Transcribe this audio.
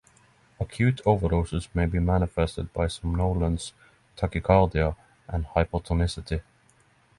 Acute overdosage may be manifested by somnolence, tachycardia and hypertonicity.